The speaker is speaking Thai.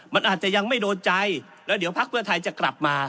มันอาจจะยังไม่โดนใจแล้วเดี๋ยวพักเพื่อไทยจะกลับมา